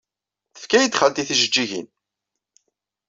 Tefka-iyi-d xalti tijejjigin.